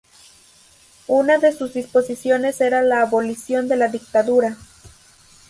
Una de sus disposiciones era la abolición de la dictadura.